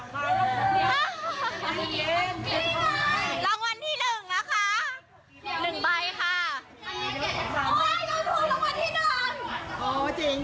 ดีใจด้วยนะคะดีใจด้วยดีใจด้วยค่ะ